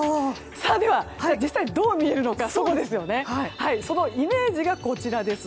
では実際、どう見えるのかそのイメージがこちらです。